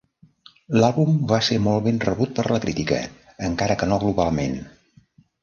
L'àlbum va ser molt ben rebut per la crítica, encara que no globalment.